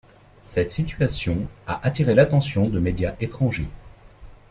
Cette situation a attiré l'attention de médias étrangers.